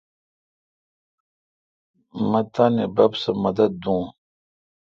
مہ تانی بب سہ مدد دون۔